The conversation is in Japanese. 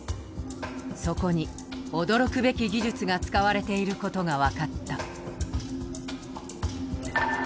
そこに驚くべき技術が使われていることが分かった。